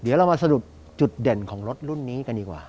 เดี๋ยวเรามาสรุปจุดเด่นของรถรุ่นนี้กันดีกว่า